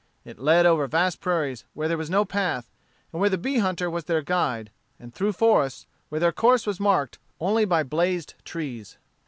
It led over vast prairies, where there was no path, and where the bee hunter was their guide, and through forests where their course was marked only by blazed trees.